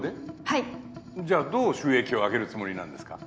はいじゃどう収益を上げるつもりなんですか？